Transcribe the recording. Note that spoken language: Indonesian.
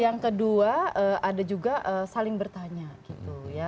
yang kedua ada juga saling bertanya